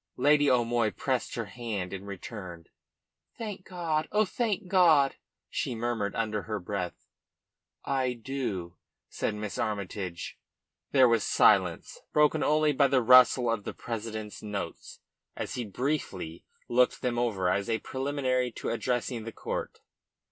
Lady O'Moy pressed her hand in return. "Thank God! Oh, thank God!" she murmured under her breath. "I do," said Miss Armytage. There was silence, broken only by the rustle of the president's notes as he briefly looked them over as a preliminary to addressing the court.